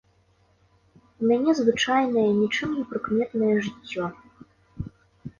У мяне звычайнае, нічым не прыкметнае жыццё.